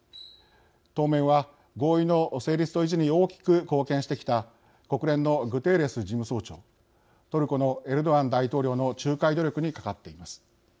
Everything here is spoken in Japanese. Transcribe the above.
当面は合意の成立と維持に大きく貢献してきた国連のグテーレス事務総長トルコのエルドアン大統領の仲介努力にかかっています。